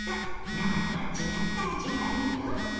生とは違った味わいよ。